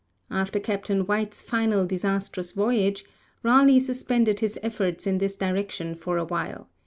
After Captain White's final disastrous voyage, Raleigh suspended his efforts in this direction for a while.